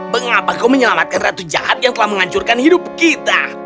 mengapa kau menyelamatkan ratu jahat yang telah menghancurkan hidup kita